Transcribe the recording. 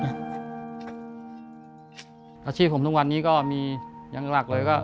อาชีพของทุกวันนี้ก็ยังมีหลักเลยว่า